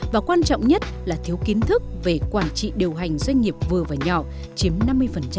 và quan trọng nhất là thiếu kiến thức về quản trị điều hành doanh nghiệp vừa và nhỏ chiếm năm mươi